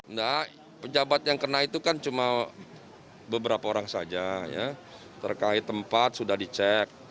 enggak pejabat yang kena itu kan cuma beberapa orang saja ya terkait tempat sudah dicek